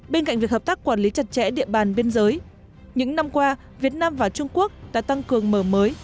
bên cạnh việc hợp tác quản lý chặt chẽ địa bàn biên giới những năm qua việt nam và trung quốc đã tăng cường mở mới